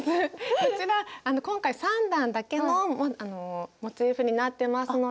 こちら今回３段だけのモチーフになってますので。